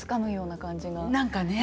何かね。